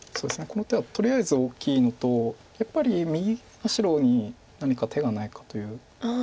この手はとりあえず大きいのとやっぱり右上の白に何か手がないかという。